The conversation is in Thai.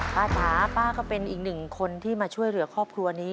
จ๋าป้าก็เป็นอีกหนึ่งคนที่มาช่วยเหลือครอบครัวนี้